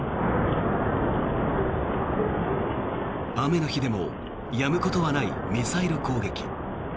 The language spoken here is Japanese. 雨の日でもやむことはないミサイル攻撃。